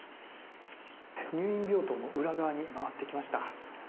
入院病棟の裏側に回ってきました。